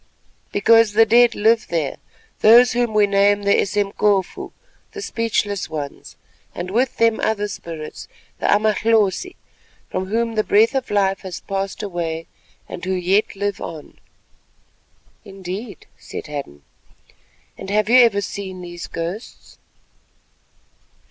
"Because the dead live there, those whom we name the Esemkofu, the Speechless Ones, and with them other Spirits, the Amahlosi, from whom the breath of life has passed away, and who yet live on." "Indeed," said Hadden, "and have you ever seen these ghosts?"